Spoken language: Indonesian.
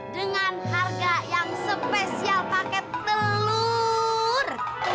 dengan harga yang spesial paket telur